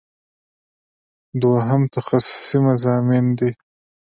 دوهم تخصصي مضامین دي.